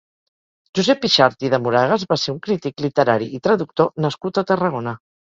Josep Yxart i de Moragas va ser un crític literari i traductor nascut a Tarragona.